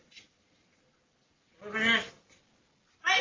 คุณผู้ชาย